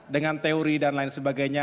dengan teori dan lain sebagainya